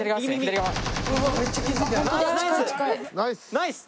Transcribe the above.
ナイス。